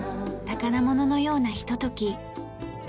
宝物のようなひととき。